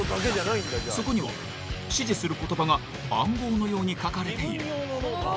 そこには指示する言葉が暗号のように書かれている。